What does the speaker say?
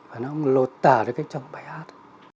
và ông lột tả được cái trong bài hát